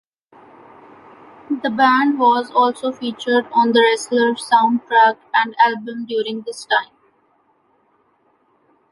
The band was also featured on "The Wrestler" soundtrack and album during this time.